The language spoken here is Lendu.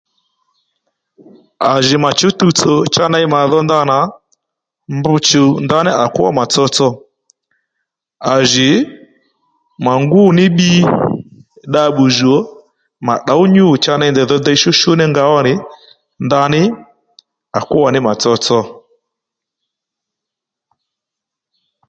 À jì mà chǔw tuwtsò cha ney màdho ndanà mbr chùw ndaní à kwó mà tsotso à jì mà ngú ní bbi dda bbǔw jùw ò mà tdǒw nyû cha ney ndèydho dey shúshú ní nga ó nì ndaní à kwó mà tsotso